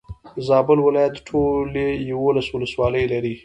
زابل ولايت ټولي يولس ولسوالي لري.